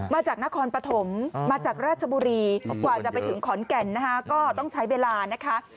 มาจากนครปฐมมาจากราชบุรีกว่าจะไปถึงขอนแก่นนะคะก็ต้องใช้เวลานะคะ